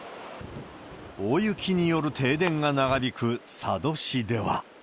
大雪による停電が長引く佐渡市では。